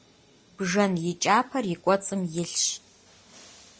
Бжэн и кӏапэр и кӏуэцӏым илъщ.